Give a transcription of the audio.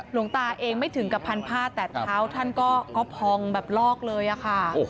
หลวงตาเองไม่ถึงกับพันผ้าแต่เท้าท่านก็พองแบบลอกเลยอะค่ะ